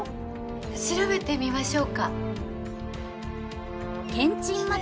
調べてみましょうか。